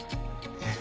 えっ？